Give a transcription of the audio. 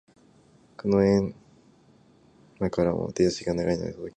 この遠間からも手足が長いので届きます。